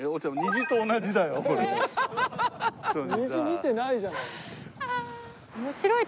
虹見てないじゃない。